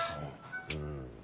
うん。